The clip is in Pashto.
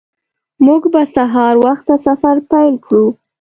موږ به سهار وخته سفر پیل کړو